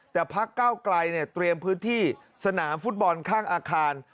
แต่พักเก้าไกลเตรียมพื้นที่สนามฟุตบอลข้างอาคาร